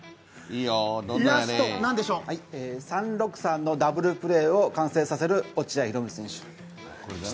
３−６−３のダブルプレーを完成させる落合博満選手。